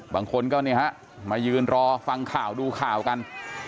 บางคนก็เนี่ยฮะมายืนรอฟังข่าวดูข่าวกัน